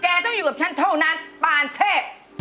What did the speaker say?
ต้องอยู่กับฉันเท่านั้นปานเทพ